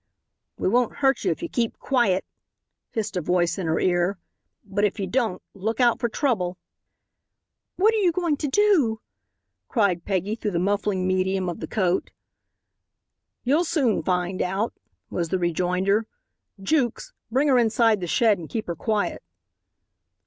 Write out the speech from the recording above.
"We won't hurt you if you keep quiet," hissed a voice in her ear, "but if you don't, look out for trouble." "What are you going to do?" cried Peggy, through the muffling medium of the coat. "You'll soon find out," was the rejoinder. "Jukes, bring her inside the shed and keep her quiet."